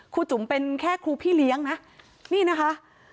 จุ๋มเป็นแค่ครูพี่เลี้ยงนะนี่นะคะ